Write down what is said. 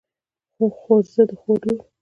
خورزه د خور لور.